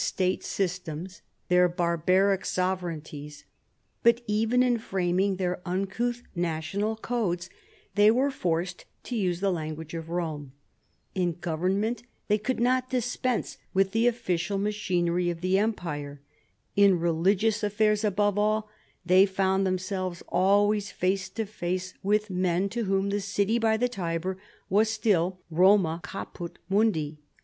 state systems, their barbaric sovereignties ; but even ill framiiif^ their uncouth national codes they were forced to use the language of Rome ; in government * they could not dispense with the oflBcial machinery of the Empire ; in religious affairs, above all, they found tiiemselves always face to face with men to whom the city by the Tiber was still Roma cwput mundi.